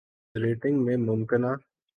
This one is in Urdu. ریٹنگ میں ممکنہ